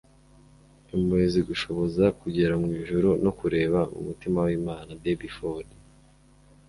impuhwe zigushoboza kugera mu ijuru no kureba mu mutima w'imana. - debbie ford